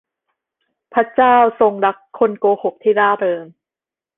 พระเจ้าทรงรักคนโกหกที่ร่าเริง